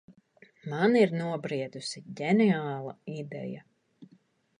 Man ir nobriedusi ģeniāla ideja.